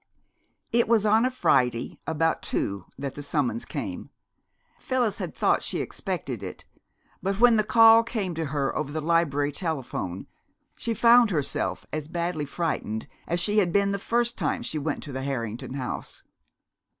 It was on a Friday about two that the summons came. Phyllis had thought she expected it, but when the call came to her over the library telephone she found herself as badly frightened as she had been the first time she went to the Harrington house.